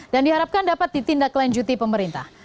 dan diharapkan dapat ditindaklanjuti pemerintah